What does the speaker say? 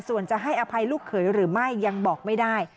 ส่วนจะให้อภัยลูกเขยหรือไม่ยังบอกไม่ได้